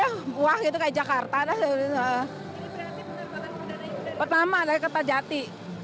hai buah itu kayak jakarta dah dulu nah pertama ada kertajati